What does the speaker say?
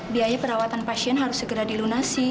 biaya perawatan pasien harus segera dilunasi